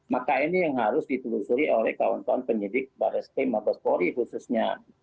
maka ini yang harus ditelusuri oleh kawan kawan penyidik baris ke lima belas polri khususnya